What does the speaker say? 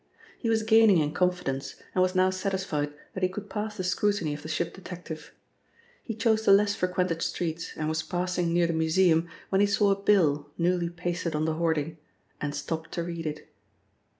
He was gaining in confidence, and was now satisfied that he could pass the scrutiny of the ship detective. He chose the less frequented streets and was passing near the Museum when he saw a bill newly pasted on the hoarding, and stopped to read it.